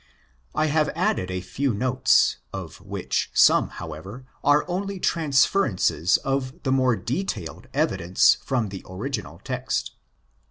I have added a few notes, of which some, however, are only transferences of the more detailed evidence from the original text.